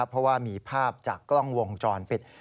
เพราะว่ามีภาพจากกล้องวงจรปิด